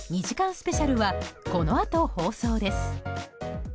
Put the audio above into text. スペシャルはこのあと放送です。